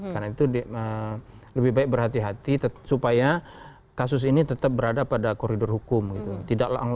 karena itu lebih baik berhati hati supaya kasus ini tetap berada pada koridor hukum gitu